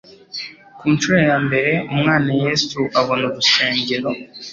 Ku nshuro ya mbere, Umwana Yesu abona urusengero.